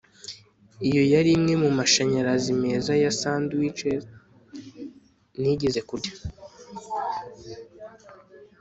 iyo yari imwe mumashanyarazi meza ya sandwiches nigeze kurya